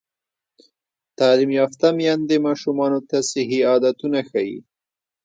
تعلیم یافته میندې ماشومانو ته صحي عادتونه ښيي.